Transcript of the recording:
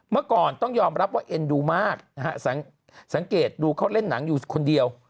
เมื่อก่อนต้องยอมรับว่าเอ็นดูมากนะฮะสังเกตดูเขาเล่นหนังอยู่คนเดียว